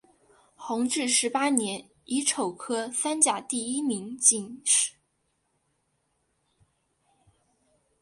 弘治十八年乙丑科三甲第一名进士。